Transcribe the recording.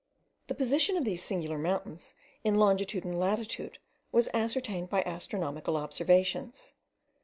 The position of these singular mountains in longitude and latitude was ascertained by astronomical observations.